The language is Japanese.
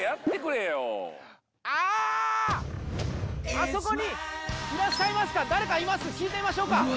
あそこにいらっしゃいました誰かいます聞いてみましょうか。